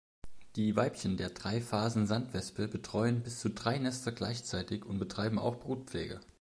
Die Weibchen der Dreiphasen-Sandwespe betreuen bis zu drei Nester gleichzeitig und betreiben auch Brutpflege.